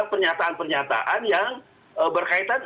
pernyataan pernyataan yang berkaitan